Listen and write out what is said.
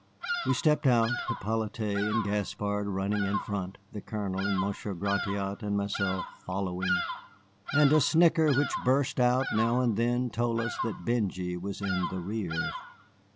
We stepped out, Hippolyte and Gaspard running in front, the Colonel and Monsieur Gratiot and myself following; and a snicker which burst out now and then told us that Benjy was in the rear.